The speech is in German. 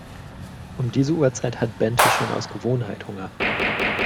Um diese Uhrzeit hat Bente schon aus Gewohnheit Hunger.